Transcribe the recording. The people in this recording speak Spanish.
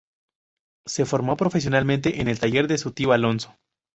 Se formó profesionalmente en el taller de su tío Alonso.